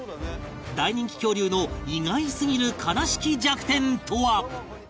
大人気恐竜の意外すぎる悲しき弱点とは？